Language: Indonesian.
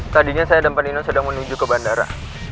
tadinya saya dan penino sedang menuju ke bandara